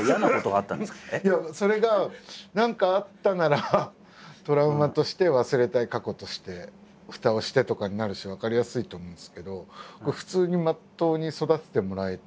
いやそれが何かあったならトラウマとして忘れたい過去としてふたをしてとかになるし分かりやすいと思うんですけど普通にまっとうに育ててもらえて。